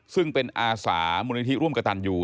ซึ่งเป็นอาสามูลนิธิร่วมกระตันอยู่